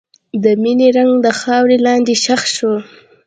د مینې رنګ د خاورې لاندې ښخ شو.